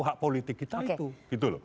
hak politik kita itu